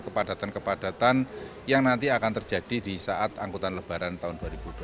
kepadatan kepadatan yang nanti akan terjadi di saat angkutan lebaran tahun dua ribu dua puluh